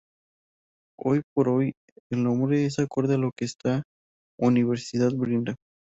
Hoy por hoy el nombre es acorde a lo que esta universidad brinda.